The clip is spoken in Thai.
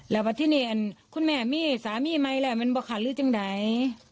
แล้วแม่มีสามีไหมมันบ้าค่ะหรือจึงไหน